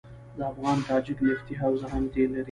د افغان تاجک نفتي حوزه هم تیل لري.